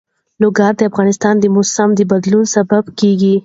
لوگر د افغانستان د موسم د بدلون سبب کېږي.